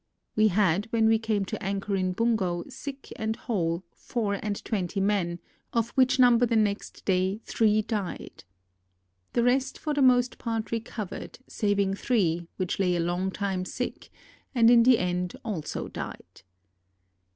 We had when we came to anchor in Bungo, sick and whole, four and twenty men, of which number the next day three died. The rest for the most part recovered, saving three, which lay a long time sick, and in the end also died.